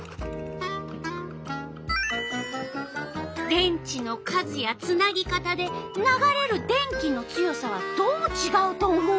電池の数やつなぎ方で流れる電気の強さはどうちがうと思う？